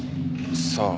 さあ。